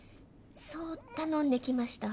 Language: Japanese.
そう頼んできました。